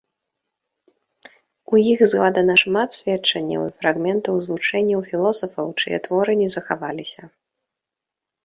У іх згадана шмат сведчанняў і фрагментаў з вучэнняў філосафаў, чые творы не захаваліся.